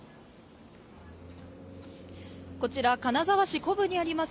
こちら、金沢市古府にあります